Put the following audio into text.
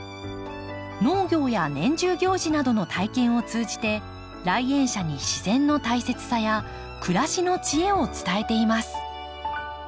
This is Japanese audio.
農業や年中行事などの体験を通じて来園者に自然の大切さや暮らしの知恵を伝えています。